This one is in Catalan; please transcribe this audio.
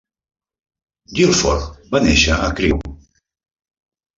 Gilford va néixer a Crewe.